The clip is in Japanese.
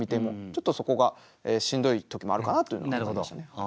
ちょっとそこがしんどい時もあるかなというのは思いましたね。